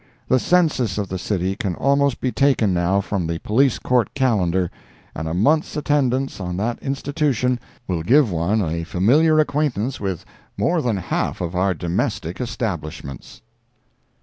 The census of the city can almost be taken now from the Police Court calendar; and a month's attendance on that institution will give one a familiar acquaintance with more than half of our domestic establishments.